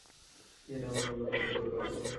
এটা আমার অন্যতম প্রিয় গল্প।